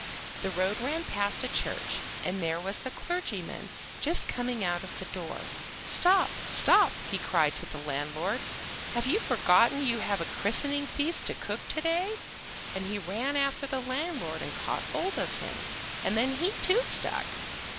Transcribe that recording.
The road ran past a church, and there was the clergyman just coming out of the door. "Stop, stop!" he cried to the landlord. "Have you forgotten you have a christening feast to cook to day?" And he ran after the landlord and caught hold of him, and then he too stuck.